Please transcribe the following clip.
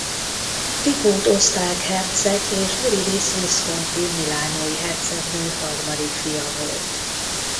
Lipót osztrák herceg és Viridis Visconti milánói hercegnő harmadik fia volt.